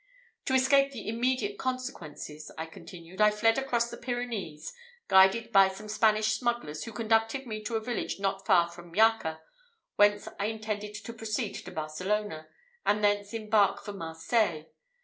"To escape the immediate consequences," I continued, "I fled across the Pyrenees, guided by some Spanish smugglers, who conducted me to a village not far from Jacca, whence I intended to proceed to Barcelona, and thence embark for Marseilles.